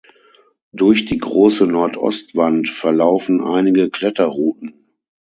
Durch die große Nordostwand verlaufen einige Kletterrouten.